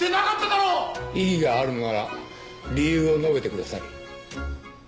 異議があるのなら理由を述べてください。